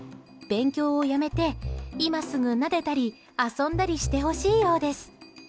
勉強をやめて今すぐ、なでたり遊んだりしてほしいようです。